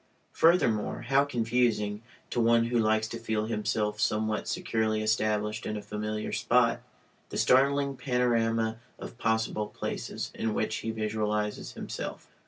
Furthermore, how confusing (to one who likes to feel himself somewhat securely established in a familiar spot) the startling panorama of possible places in which he visualizes himself.